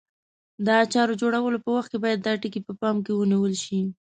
د اچارو جوړولو په وخت کې باید دا ټکي په پام کې ونیول شي.